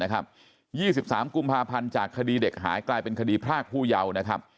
๒๓กุมภาพันธ์จากคดีเด็กหายกลายเป็นคดีพรากผู้เยาว์นะครับ